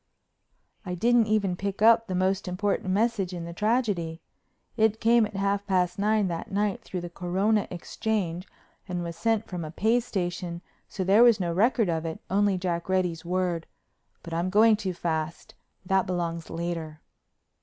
I didn't even pick up the most important message in the tragedy. It came at half past nine that night through the Corona Exchange and was sent from a pay station so there was no record of it, only Jack Reddy's word—but I'm going too fast; that belongs later.